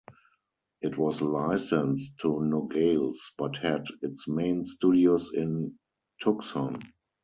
It was licensed to Nogales, but had its main studios in Tucson.